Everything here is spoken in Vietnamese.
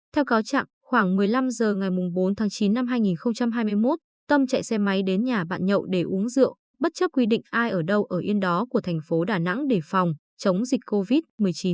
theo cáo trạng khoảng một mươi năm h ngày bốn tháng chín năm hai nghìn hai mươi một tâm chạy xe máy đến nhà bạn nhậu để uống rượu bất chấp quy định ai ở đâu ở yên đó của thành phố đà nẵng để phòng chống dịch covid một mươi chín